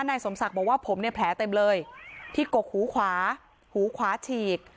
นายสมศักดิ์บอกว่าผมเนี่ยแผลเต็มเลยที่กกหูขวาหูขวาฉีก